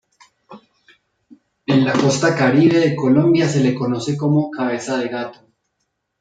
En la Costa Caribe de Colombia se le conoce como cabeza de gato.